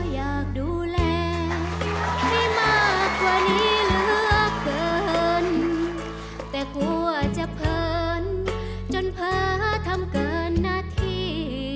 อยากดูแลให้มากกว่านี้เหลือเกินแต่กลัวจะเพลินจนพาทำเกินหน้าที่